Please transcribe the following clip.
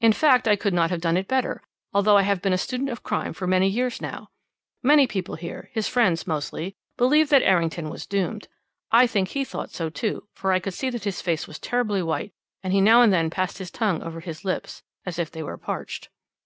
In fact, I could not have done it better, although I have been a student of crime for many years now. Many people there his friends, mostly believed that Errington was doomed. I think he thought so, too, for I could see that his face was terribly white, and he now and then passed his tongue over his lips, as if they were parched.